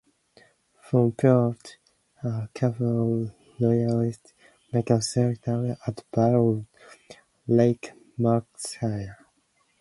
From Puerto Cabello royalist make a counterattack at Battle of Lake Maracaibo.